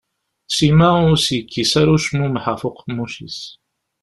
Sima ur as-yekkis ara ucmumeḥ ɣef uqemmuc-is.